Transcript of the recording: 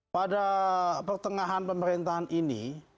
pada pertengahan pemerintahan ini